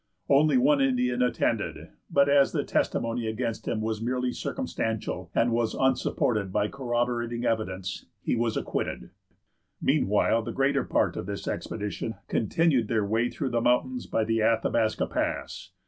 Only one Indian attended; but as the testimony against him was merely circumstantial, and was unsupported by corroborating evidence, he was acquitted." Meanwhile the greater part of this expedition continued their way through the mountains by the Athabasca Pass.